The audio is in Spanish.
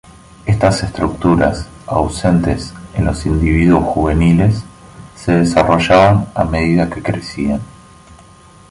Estas estructuras, ausentes en los individuos juveniles, se desarrollaban a medida que crecían.